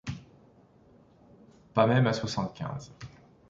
Pas même à soixante-quinze.